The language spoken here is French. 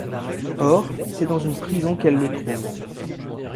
Or, c'est dans une prison qu'elle le trouve.